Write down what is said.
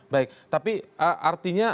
baik tapi artinya